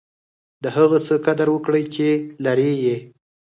د هغه څه قدر وکړئ، چي لرى يې.